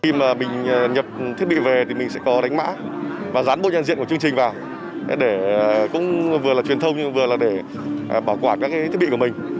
khi mà mình nhập thiết bị về thì mình sẽ có đánh mã và dán bộ nhận diện của chương trình vào để cũng vừa là truyền thông vừa là để bảo quản các cái thiết bị của mình